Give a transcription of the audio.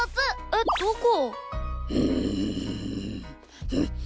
えっどこ？